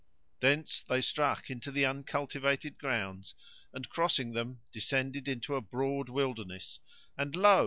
Thence they struck into the uncultivated grounds, and crossing them descended into a broad wilderness, and lo!